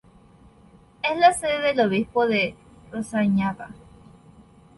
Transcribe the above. Es la sede del obispo de Rožňava.